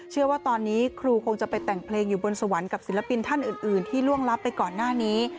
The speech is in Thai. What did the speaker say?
เชื่อว่าตอนนี้ครูคงจะไปแต่งเพลงอยู่บนสวรรค์กับศิลปินท่านอื่นที่ล่วงลับไปก่อนหน้านี้